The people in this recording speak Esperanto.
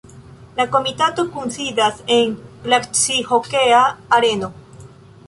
La komitato kunsidas en glacihokea areno.